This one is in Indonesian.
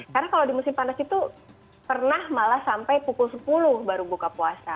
karena kalau di musim panas itu pernah malah sampai pukul sepuluh baru buka puasa